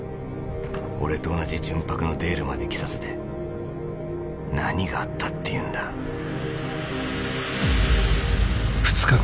俺と同じ純白のデールまで着させて何があったっていうんだ２日後